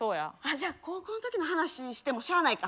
じゃあ高校ん時の話してもしゃあないか。